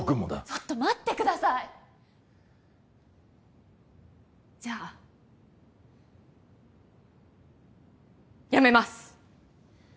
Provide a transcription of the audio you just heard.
ちょっと待ってくださいじゃあ辞めます